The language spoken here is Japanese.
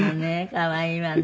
可愛いわね」